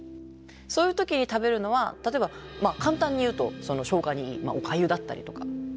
そういう時に食べるのは例えば簡単に言うと消化にいいおかゆだったりとか。